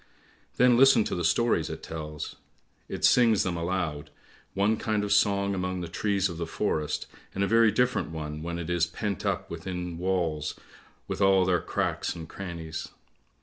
Then listen to the stories it tells ; it sings them aloud, one kind of song among the trees of the forest, and a very different one when it is pent up within walls with all their cracks and crannies.